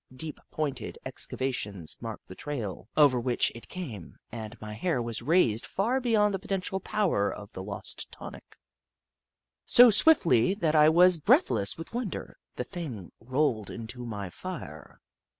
Deep, pointed excavations marked the trail over which it came, and my hair was raised far beyond the potential power of the lost tonic. So swiftly that I was breathless with wonder, the thing rolled into my fire.